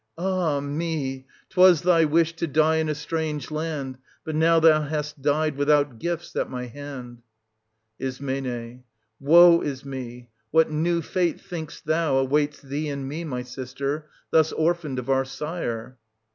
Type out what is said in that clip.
— Ah me! 'twas thy wish to die in a strange land ; but now thou hast died without gifts at my hand. Is. Woe is me ! What new fate, think'st thou, 1720 awaits thee and me, my sister, thus orphaned of our sire?